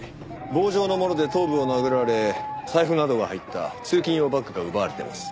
棒状のもので頭部を殴られ財布などが入った通勤用バッグが奪われてます。